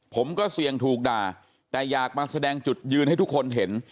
ผมก็เสี่ยงถูกด่าแต่อยากมาแสดงจุดยืนให้ทุกคนเห็น